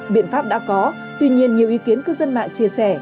biện pháp đã có tuy nhiên nhiều ý kiến cư dân mạng chia sẻ